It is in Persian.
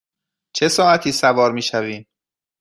چه ساعتی سوار می شویم؟